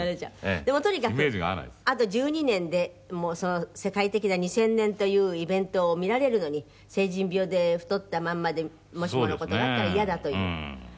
でもとにかくあと１２年でもう世界的な２０００年というイベントを見られるのに成人病で太ったまんまでもしもの事があったら嫌だという。